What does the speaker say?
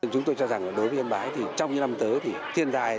chúng tôi cho rằng đối với yên bái thì trong những năm tới thì thiên tai